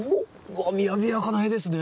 わっ雅やかな絵ですね。